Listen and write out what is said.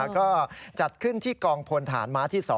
ก็จัดขึ้นที่กองพลฐานม้าที่๒